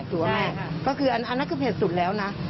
ถูกหรือเปล่าคะใช่ค่ะก็คืออันนั้นคือเผ็ดสุดแล้วนะ